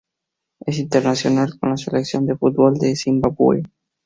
Es internacional con la selección de fútbol de Zimbabue.